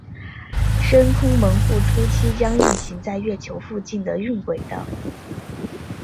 深空门户初期将运行在月球附近的晕轨道。